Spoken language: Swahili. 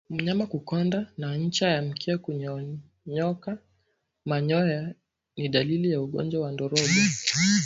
Mnyama kukonda na ncha ya mkia kunyonyoka manyoya ni dalili ya ugonjwa wa ndorobo